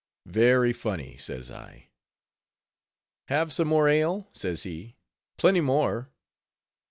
"Very funny," says I. "Have some more ale?" says he; "plenty more."